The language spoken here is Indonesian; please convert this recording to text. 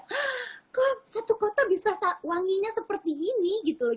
hah kok satu kota bisa wanginya seperti ini gitu loh